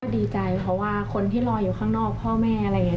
ดีใจเพราะว่าคนที่รออยู่ข้างนอกพ่อแม่อะไรอย่างนี้